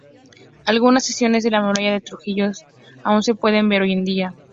Algunas secciones de la muralla de Trujillo aún se pueden ver hoy en día.